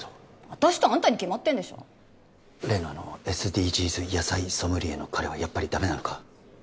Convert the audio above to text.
私とあんたに決まってんでしょ例のあのＳＤＧｓ野菜ソムリエの彼はやっぱりダメなのか？